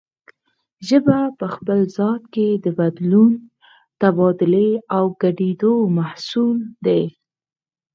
ژبه په خپل ذات کې د بدلون، تبادلې او ګډېدو محصول دی